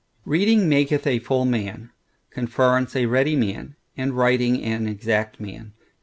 Reading maketh a full man; conference a ready man; and writing an exact man.